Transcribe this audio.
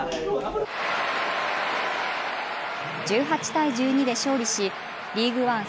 １８対１２で勝利しリーグワン